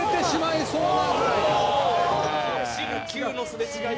「新旧のすれ違い」